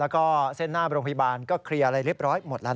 แล้วก็เส้นหน้าโรงพยาบาลก็เคลียร์อะไรเรียบร้อยหมดแล้ว